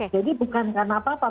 jadi bukan karena apa apa